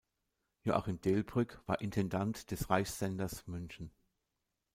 Joachim Delbrück war Intendant des Reichssenders München.